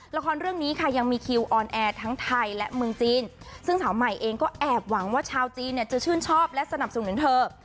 ละครเรื่องนี้ค่ะยังมีคิวออนแอร์ทั้งไทยและเมืองจีนซึ่งสาวใหม่เองก็แอบหวังว่าชาวจีนเนี่ยจะชื่นชอบและสนับสนุนถึงเธอ